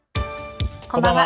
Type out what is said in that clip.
こんばんは。